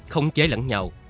không chế lẫn nhau